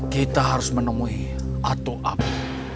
kita harus menemui atu apu